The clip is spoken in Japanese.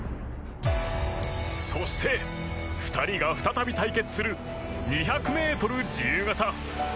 そして、２人が再び対決する２００ｍ自由形。